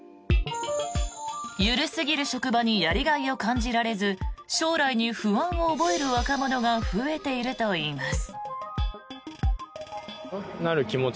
緩すぎる職場にやりがいを感じられず将来に不安を覚える若者が増えているといいます。